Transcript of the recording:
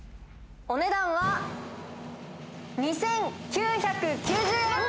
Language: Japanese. お値段は２９９０円！